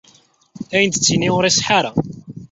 Ayen ay d-tettini ur iṣeḥḥa ara.